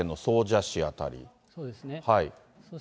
そうですね。